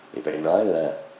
thì phải nói là